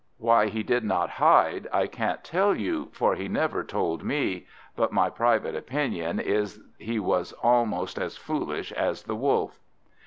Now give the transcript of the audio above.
Why he did not hide, I can't tell you, for he never told me; but my private opinion is, he was almost as foolish as the Wolf.